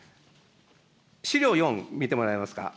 資料４、見てもらえますか。